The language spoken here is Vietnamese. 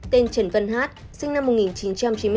tên trần văn hát sinh năm một nghìn chín trăm chín mươi bốn